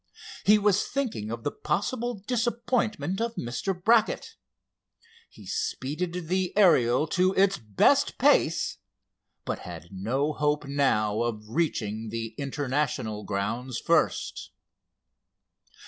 He was thinking of the possible disappointment of Mr. Brackett. He speeded the Ariel to its best pace, but had no hope now of reaching the International grounds first.